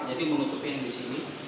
jadi menutupin di sini